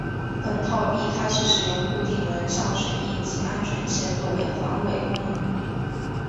本套币开始使用固定人像水印及安全线作为防伪功能。